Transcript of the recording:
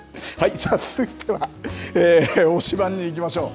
さあ、続いては推しバン！にいきましょう。